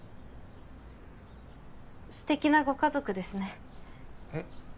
素敵なご家族ですねえっ？